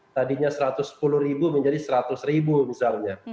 tadinya satu ratus sepuluh ribu menjadi seratus ribu misalnya